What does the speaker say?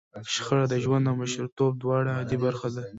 شخړه د ژوند او مشرتوب دواړو عادي برخه ده.